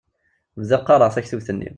Bdiɣ qqaṛeɣ taktubt-nni.